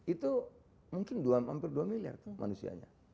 itu mungkin hampir dua miliar tuh manusianya